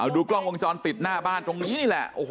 ดูกล้องวงจรปิดหน้าบ้านตรงนี้นี่แหละ